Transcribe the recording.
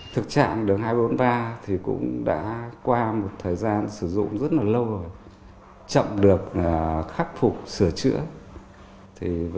thực trạng đường hai trăm bốn mươi ba thì cũng đã qua một thời gian sử dụng rất là lâu rồi